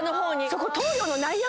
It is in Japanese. そこ。